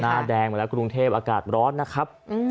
หน้าแดงมาแล้วกรุงเทพอากาศร้อนนะครับ